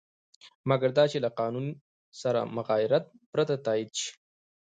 مګر دا چې له قانون سره مغایرت پرته تایید شي.